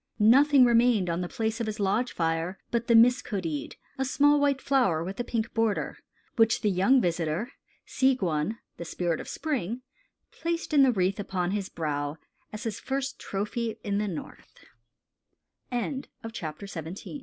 Nothing remained on the place of his lodge fire but the mis kodeed, a small white flower with a pink border, which the young visitor, Seegwun, the Spirit of Spring, placed in the wreath upon his brow, as his first trophy in